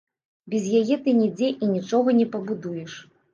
Без яе ты нідзе і нічога не пабудуеш.